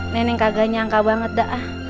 nenek kagak nyangka banget dak